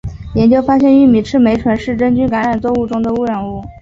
研究发现玉米赤霉醇是真菌感染作物中的污染物。